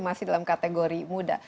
masih dalam kategori muda